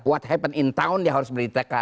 what happened in town dia harus beritakan